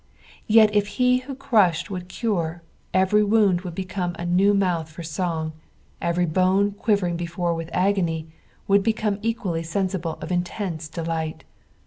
Yet if iic who crushed would cure, every wound would become a new mouth for song, every banc quivering before with agony would become equally sensible of intense delight.